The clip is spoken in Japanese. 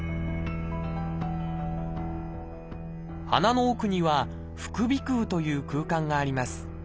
鼻の奥には「副鼻腔」という空間があります。